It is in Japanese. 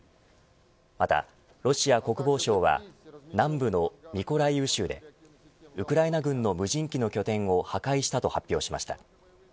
また、ロシア国防省は南部のミコライウ州でウクライナ軍の無人機の拠点を破壊したと発表しました。